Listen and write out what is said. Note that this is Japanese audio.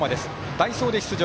代走で出場。